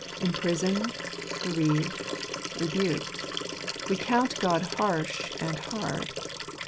Imprisoned, bereaved, rebuked, we count God harsh and hard.